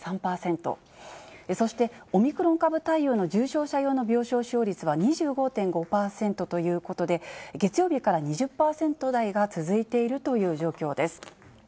そして、オミクロン株対応の重症病床使用率は２５．５％ということで、月曜日から２０％台が続いているという状況です。